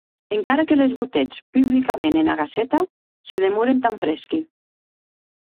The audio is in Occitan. Encara que les botetz publicament ena Gaceta, se demoren tan fresqui.